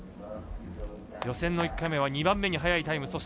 予選の１回目は２番目に速いタイム。